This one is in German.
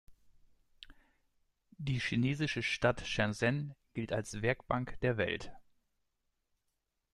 Die chinesische Stadt Shenzhen gilt als „Werkbank der Welt“.